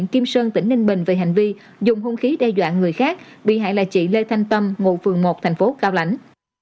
kim sơn tỉnh ninh bình về hành vi dùng hung khí đe dọa người khác bị hại là chị lê thanh tâm ngụ phường một thành phố cao lãnh